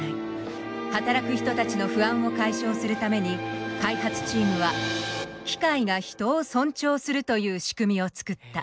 働く人たちの不安を解消するために開発チームは機械が人を尊重するという仕組みを作った。